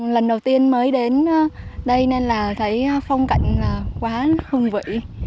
lần đầu tiên mới đến đây nên là thấy phong cạnh là quá hương vị